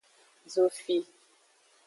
Zofi.